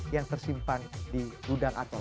yang tersimpan di gudang atau